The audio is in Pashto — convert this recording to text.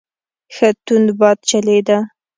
ښه تند باد چلیده.